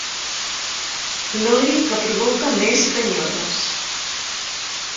L'oli que provoca més ganyotes.